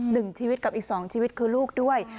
หนึ่งชีวิตกับอีกสองชีวิตคือลูกด้วย